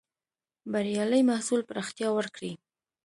بریالي محصول پراختيا ورکړې.